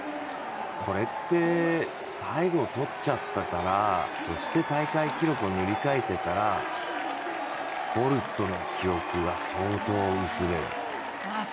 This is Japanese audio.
これって、最後とっちゃったからそして大会記録を塗り替えてたら、ボルトの記憶は相当薄れる。